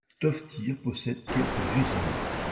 Toftir possède quelques usines.